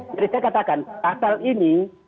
saya katakan pasal ini